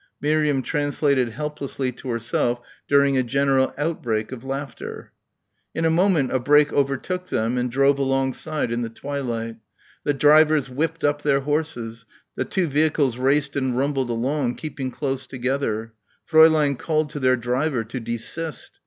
Miriam translated helplessly to herself during a general outbreak of laughter.... In a moment a brake overtook them and drove alongside in the twilight. The drivers whipped up their horses. The two vehicles raced and rumbled along keeping close together. Fräulein called to their driver to desist.